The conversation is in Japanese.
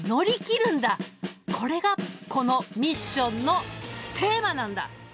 これがこのミッションのテーマなんだ。